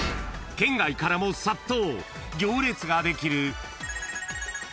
［県外からも殺到］